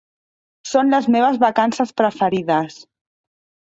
Són les meves vacances preferides.